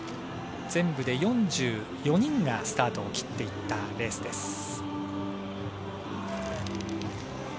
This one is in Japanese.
全部で４４人がスタートを切っていったレースです。